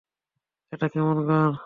এটা কেমন গান?